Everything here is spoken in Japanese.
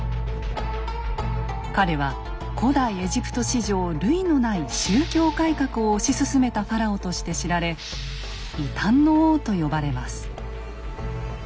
彼は古代エジプト史上類のない「宗教改革」を推し進めたファラオとして知られ「異端の王」と呼ばれます。